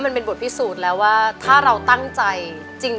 ยังไม่มีให้รักยังไม่มี